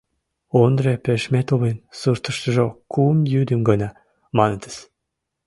Ондре Пешметовын суртыштыжо кум йӱдым гына манытыс...